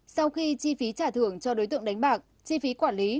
sau khi chi phí trả thưởng cho đối tượng đánh bạc chi phí quản lý